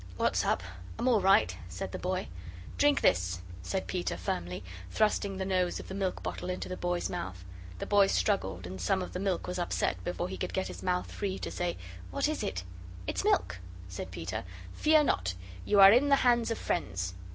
"What's up? I'm all right," said the boy. "Drink this," said Peter, firmly, thrusting the nose of the milk bottle into the boy's mouth. The boy struggled, and some of the milk was upset before he could get his mouth free to say: "What is it?" "It's milk," said Peter. "Fear not, you are in the hands of friends.